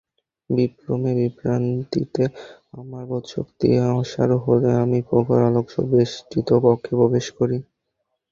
বিভ্রমে-বিভ্রান্তিতে আমার বোধশক্তি অসাড় হলে আমি প্রখর আলোকবেষ্টিত কক্ষে প্রবেশ করি।